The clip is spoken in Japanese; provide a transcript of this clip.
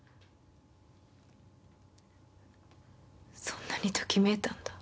そんなにときめいたんだ。